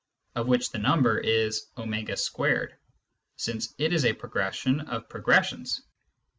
of which the number is w 2 , since it is a progression of progressions.